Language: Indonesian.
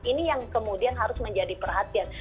ini yang kemudian harus menjadi perhatian